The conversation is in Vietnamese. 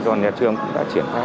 do nhà trường cũng đã triển khai